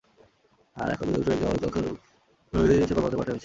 আর এখন অধিকাংশ ব্যাংকই আমানত সংগ্রহের লক্ষ্য বেঁধে দিয়ে কর্মকর্তাদের মাঠে নামিয়েছে।